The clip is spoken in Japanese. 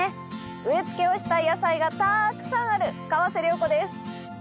植え付けをしたい野菜がたくさんある川瀬良子です。